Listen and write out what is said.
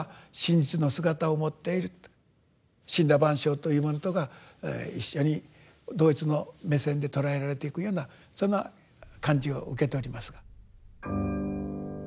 森羅万象というものとが一緒に同一の目線で捉えられていくようなそんな感じを受けておりますが。